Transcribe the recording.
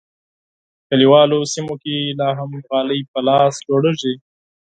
په کلیوالو سیمو کې لا هم غالۍ په لاس جوړیږي.